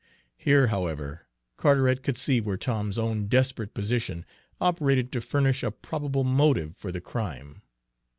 Here, however, Carteret could see where Tom's own desperate position operated to furnish a probable motive for the crime.